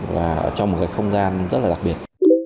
và trong một cái không gian rất là đặc biệt